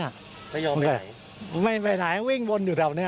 อันนี้ผู้หญิงบอกว่าช่วยด้วยหนูไม่ได้เป็นอะไรกันเขาจะปั้มหนูอะไรอย่างนี้